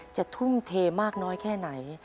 ทุ่มเทมากน้อยแค่ไหน